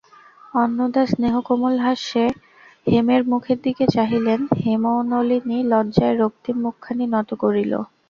অন্নদা স্নেহকোমলহাস্যে হেমের মুখের দিকে চাহিলেন–হেমনলিনী লজ্জায় রক্তিম মুখখানি নত করিল।